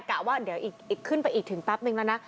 กะว่าเดี๋ยวอีกขึ้นไปอีกถึงแป๊บนึงแล้วนะ